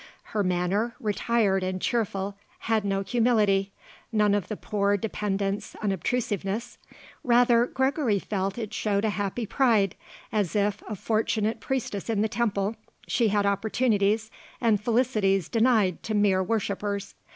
Her manner, retired and cheerful, had no humility, none of the poor dependent's unobtrusiveness; rather, Gregory felt, it showed a happy pride, as if, a fortunate priestess in the temple, she had opportunities and felicities denied to mere worshippers.